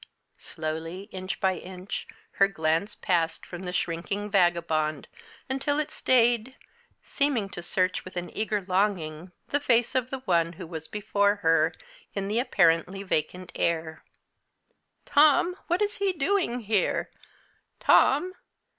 Slowly, inch by inch, her glance passed from the shrinking vagabond, until it stayed, seeming to search with an eager longing the face of the one who was before her in the apparently vacant air. "Tom! what's he doing here? Tom!